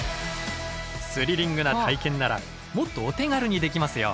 スリリングな体験ならもっとお手軽にできますよ。